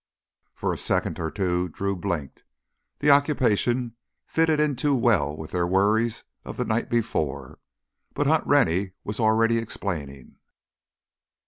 For a second or two Drew blinked—the occupation fitted in too well with their worries of the night before. But Hunt Rennie was already explaining.